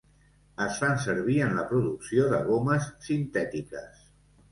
Es fan servir en la producció de gomes sintètiques.